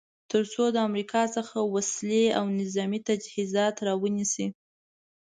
تر څو د امریکا څخه وسلې او نظامې تجهیزات را ونیسي.